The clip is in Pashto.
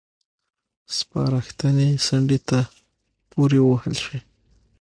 سپارښتنې څنډې ته پورې ووهل شوې.